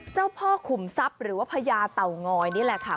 เจ้าพ่อขุมทรัพย์หรือว่าพญาเต่างอยนี่แหละค่ะ